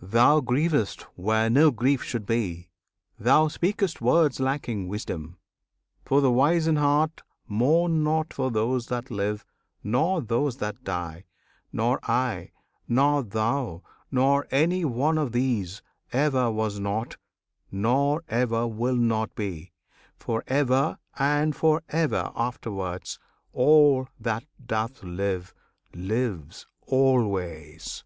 Thou grievest where no grief should be! thou speak'st Words lacking wisdom! for the wise in heart Mourn not for those that live, nor those that die. Nor I, nor thou, nor any one of these, Ever was not, nor ever will not be, For ever and for ever afterwards. All, that doth live, lives always!